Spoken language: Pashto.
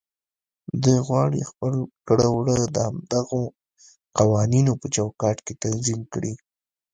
دوی غواړي خپل کړه وړه د همدغو قوانينو په چوکاټ کې تنظيم کړي.